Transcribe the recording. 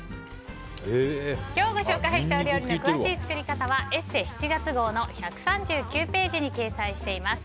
今日ご紹介したお料理の詳しい作り方は「ＥＳＳＥ」７月号の１３９ページに掲載しています。